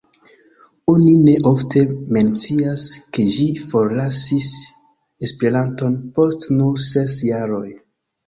Oni ne ofte mencias, ke ĝi forlasis Esperanton post nur ses jaroj.